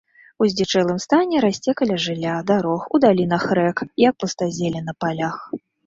У здзічэлым стане расце каля жылля, дарог, у далінах рэк, як пустазелле на палях.